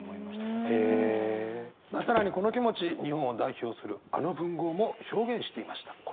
まあ更にこの気持ち日本を代表するあの文豪も表現していました。